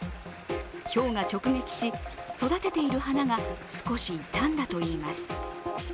ひょうが直撃し、育てている花が少し傷んだといいます。